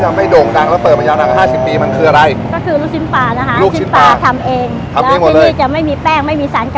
ที่จะไม่โด่งดังแล้วเปิดมายาวดังห้าสิบปีมันคืออะไรก็คือลูกชิ้นปลานะคะ